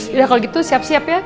sudah kalau gitu siap siap ya